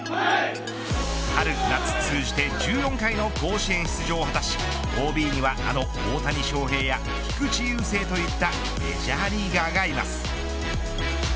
春夏通じて１４回の甲子園出場を果たしＯＢには、あの大谷翔平や菊池雄星といったメジャーリーガーがいます。